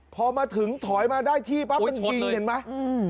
พอมาถึงถอยมาได้ที่ปั๊บมันชิงเห็นไหม